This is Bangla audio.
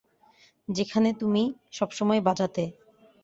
যেখানে তুমি সবসময় বাজাতে।